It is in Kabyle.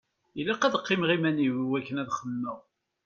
Ilaq ad qqimeɣ iman-iw i wakken ad xemmeɣ.